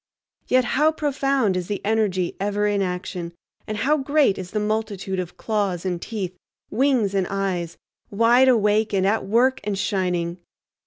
Yet how profound is the energy ever in action, and how great is the multitude of claws and teeth, wings and eyes, wide awake and at work and shining!